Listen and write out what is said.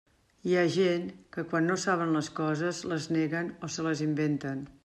Hi ha gent que, quan no saben les coses, les neguen o se les inventen.